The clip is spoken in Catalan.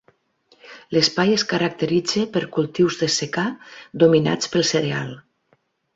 L'Espai es caracteritza per cultius de secà dominats pel cereal.